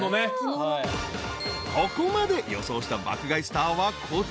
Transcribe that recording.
［ここまで予想した爆買いスターはこちら］